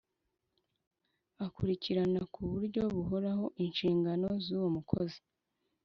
Akurikirana ku buryo buhoraho inshingano z’uwo mukozi